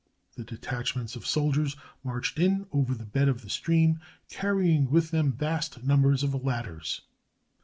The detachments of soldiers marched in over the bed of the stream, carrying with them vast 524 THE FALL OF BAB\TON numbers of ladders.